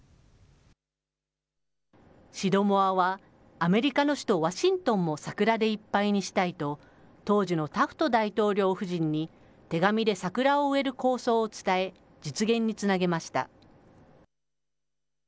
シドモアは、アメリカの首都ワシントンも桜でいっぱいにしたいと、当時のタフト大統領夫人に手紙で桜を植える構想を伝え、実現につなげました。